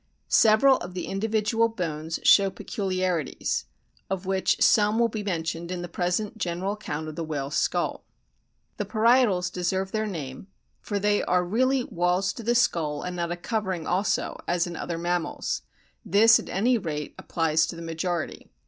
Several of the individual bones show peculiarities, of which some will be mentioned in the present general account of the whale's skull. The parietals deserve their name, for they are really walls to the SOME INTERNAL STRUCTURES covering skull and not a also, as in other mammals ; this, at any rate, applies to the majority.